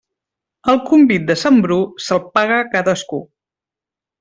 El convit de sant Bru se'l paga cadascú.